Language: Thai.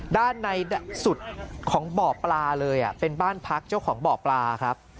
ด้านในสุดของบ่อปลาเลยเป็นบ้านพักเจ้าของบ่อปลาครับ